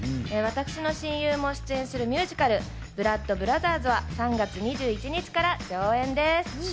私の親友も出演するミュージカル『ブラッド・ブラザーズ』は３月２１日から上演です。